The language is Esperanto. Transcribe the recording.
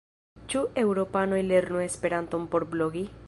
Ĉu eŭropanoj lernu Esperanton por blogi?